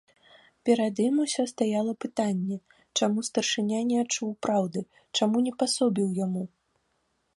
Перад ім усё стаяла пытанне, чаму старшыня не адчуў праўды, чаму не пасобіў яму.